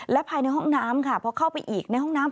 และภายในห้องน้ำค่ะพอเข้าไปอีกในห้องน้ำ